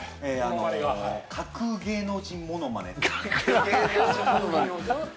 架空芸能人ものまね。